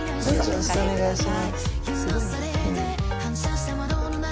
よろしくお願いします。